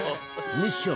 ミッション。